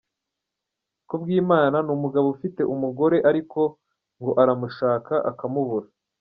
Kubwimana ni umugabo ufite umugore, ariko ngo aramushaka akamubura.